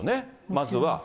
まずは。